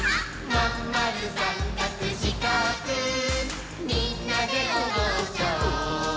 「まんまるさんかくしかくみんなでおどっちゃおう」